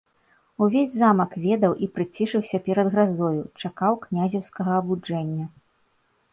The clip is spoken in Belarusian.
Увесь замак ведаў і прыцішыўся перад гразою, чакаў князеўскага абуджэння.